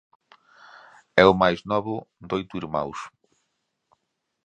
É o máis novo de oito irmáns.